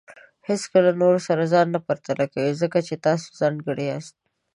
هیڅکله د نورو سره ځان نه پرتله کوئ، ځکه چې تاسو ځانګړي یاست.